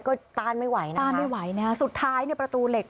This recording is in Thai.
ก็ต้านไม่ไหวนะครับต้านไม่ไหวนะครับสุดท้ายประตูเหล็ก